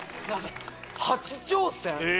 初挑戦⁉